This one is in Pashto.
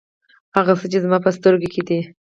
هغه څه چې زما په سترګو کې دي.